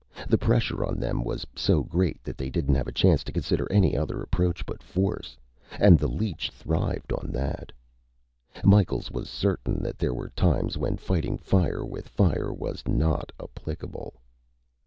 The pressure on them was so great that they didn't have a chance to consider any other approach but force and the leech thrived on that. Micheals was certain that there were times when fighting fire with fire was not applicable.